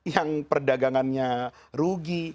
yang perdagangannya rugi